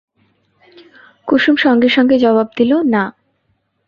কুসুম সঙ্গে সঙ্গে জবাব দিল, না।